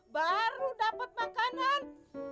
baru dapat makanan